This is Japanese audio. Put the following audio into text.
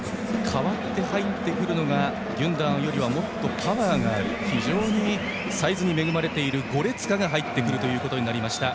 代わって入ってくるのがギュンドアンよりはもっとパワーのある非常にサイズに恵まれているゴレツカが入りました。